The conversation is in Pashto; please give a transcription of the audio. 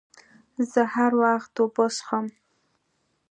زه هر وخت اوبه څښم.